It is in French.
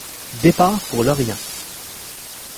Départ pour l’Orient.